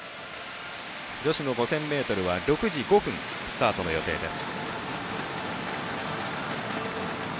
女子の５０００ｍは６時５分スタートの予定です。